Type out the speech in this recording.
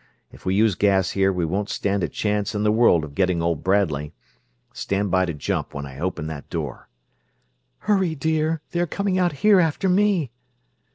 If we use gas here we won't stand a chance in the world of getting old Bradley. Stand by to jump when I open that door!" "Hurry, dear! They are coming out here after me!"